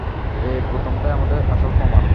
এই বোতামটাই আমাদের আসল প্রমাণ।